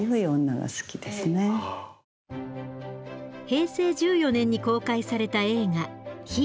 平成１４年に公開された映画「ＨＥＲＯ」。